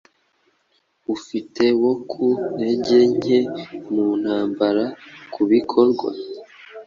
Ufite woKu ntege nke mu ntambara Kubikorwa